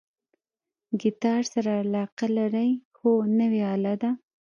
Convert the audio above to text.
ګیتار سره علاقه لرئ؟ هو، نوی آله ده